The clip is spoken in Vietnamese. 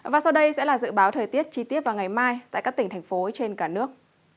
và sau đây sẽ là dự báo thời tiết chi tiết vào ngày mai tại các tỉnh thành phố trên cả nước